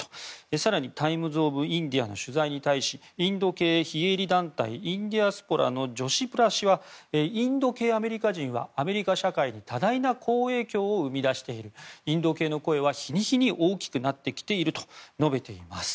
更にタイムズ・オブ・インディアの取材に対しインド系非営利団体インディアスポラのジョシプラ氏はインド系アメリカ人はアメリカ社会に多大な好影響を生み出しているインド系の声は日に日に大きくなっていると述べています。